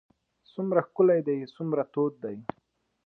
څومره ښکلی دی څومره تود دی.